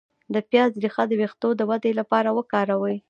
د پیاز ریښه د ویښتو د ودې لپاره وکاروئ